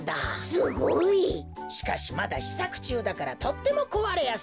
すごい！しかしまだしさくちゅうだからとってもこわれやすいのだ。